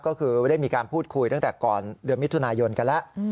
ก็คือไม่ได้มีการพูดคุยตั้งแต่ก่อนเดือนมิถุนายนกันแล้ว